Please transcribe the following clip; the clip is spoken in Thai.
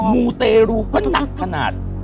มูเตรูก็หนักขนาด